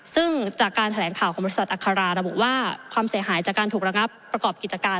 ซึ่งจากการแถลงข่าวของบริษัทอัคราระบุว่าความเสียหายจากการถูกระงับประกอบกิจการ